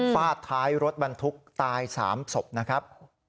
ฟาดท้ายรถบรรทุกตาย๓ศพนะครับ